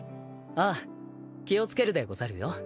ああ気を付けるでござるよ。